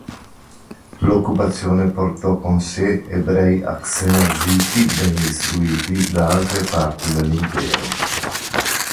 L'occupazione portò con sé ebrei ashkenaziti ben istruiti da altre parti dell'Impero.